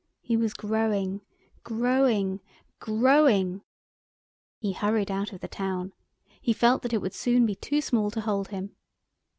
He was growing, growing, growing. He hurried out of the town. He felt that it would soon be too small to hold him.